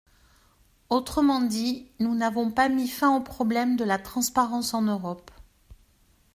Autrement dit, nous n’avons pas mis fin au problème de la transparence en Europe.